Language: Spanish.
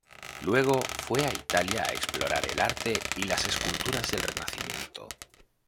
Luego, fue a Italia a explorar el arte y las esculturas del renacimiento.